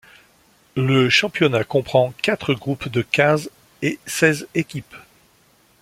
Le championnat comprend quatre groupes de quinze et seize équipes.